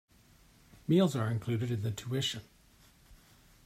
Meals are included in the tutition.